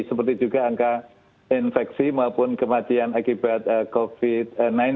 seperti juga angka infeksi maupun kematian akibat covid sembilan belas